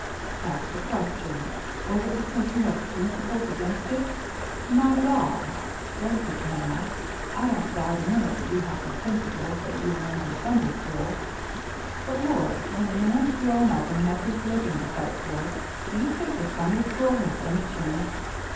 That's the question. 396 THE MERRT ANNE WsLS it because you have principles against it ? Not at all. Don't get mad. I don't doubt a minute that you have some principles that you learned in Sunday school; but Lord, when a man's grown up and has his living to fight for, do you think the Sunday school has any chance.